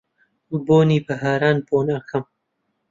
بۆنی بەهاران بۆن ئەکەم